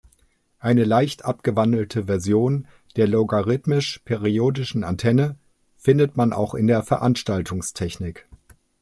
Eine leicht abgewandelte Version der logarithmisch-periodischen Antenne findet man auch in der Veranstaltungstechnik.